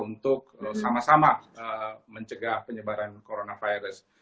untuk sama sama mencegah penyebaran coronavirus